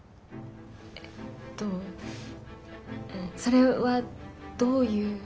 えっとそれはどういう。